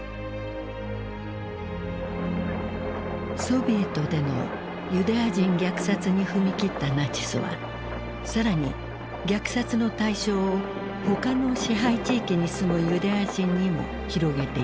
ソビエトでのユダヤ人虐殺に踏み切ったナチスは更に虐殺の対象を他の支配地域に住むユダヤ人にも広げていく。